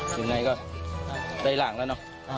อยู่ไหนก็ใส่หลังแล้วเนอะครับ